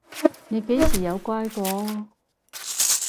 你幾時有乖過？